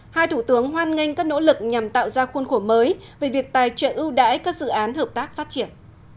hai thủ tướng hoan nghênh các nỗ lực nhằm tạo ra khuôn khổ mới về việc tài trợ ưu đãi các dự án hợp tác phát triển